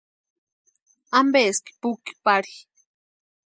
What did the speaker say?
¿Ampeski puki pari?